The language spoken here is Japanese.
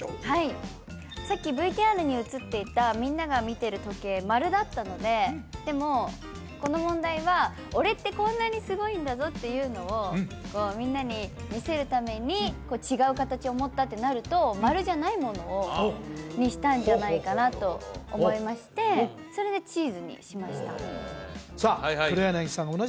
はいさっきＶＴＲに映っていたみんなが見てる時計丸だったのででもこの問題は「俺ってこんなにすごいんだぞ」っていうのをみんなに見せるために違う形を持ったってなると丸じゃないものにしたんじゃないかなと思いましてそれでチーズにしましたさあ黒柳さん